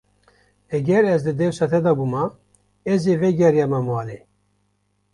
Eger ez di dewsa te de bûma, ez ê vegeriyama malê.